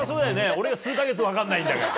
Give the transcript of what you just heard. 俺が数か月分かんないんだから。